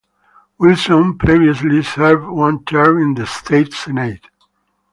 Wilson previously served one term in the state Senate.